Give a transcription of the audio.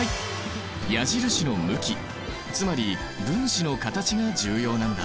矢印の向きつまり分子の形が重要なんだ。